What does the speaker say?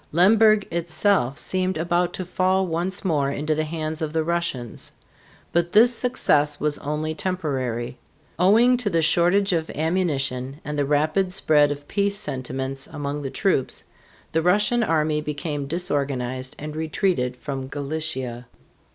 Lemberg itself seemed about to fall once more into the hands of the Russians. But this success was only temporary. Owing to the shortage of ammunition and the rapid spread of peace sentiments among the troops, the Russian army became disorganized and retreated from Galicia.